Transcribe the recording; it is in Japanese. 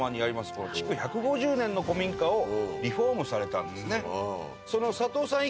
この築１５０年の古民家をリフォームされたんですね。